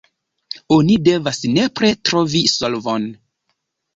Oni devas nepre trovi solvon.